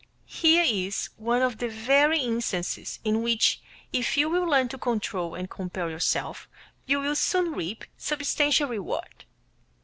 Here is one of the very instances in which if you will learn to control and compel yourself you will soon reap substantial reward.